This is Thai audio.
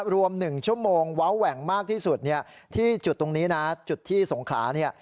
รวม๑ชั่วโมงเว้าแหว่งมากที่สุดชุดที่ที่สงขราเนี่ย